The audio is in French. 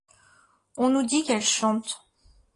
On nous dit qu’elles chantent.